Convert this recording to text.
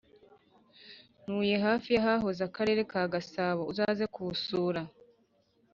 Ntuye hafi yahahoze akarere ka Gasabo uzaze kusura